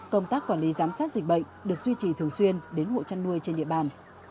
công tác quản lý giám sát dịch bệnh được duy trì thường xuyên đến hộ chăn nuôi trên địa bàn